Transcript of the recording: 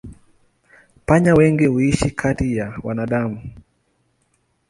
Panya wengi huishi kati ya wanadamu.